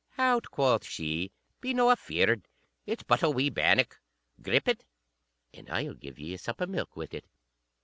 "Hout," quoth she, "be no afeard; it's but a wee bannock. Grip it, and I'll give ye a sup of milk with it."